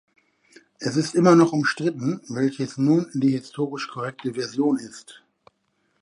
Es ist immer noch umstritten, welches nun die historisch korrekte Version ist.